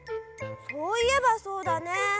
そういえばそうだね。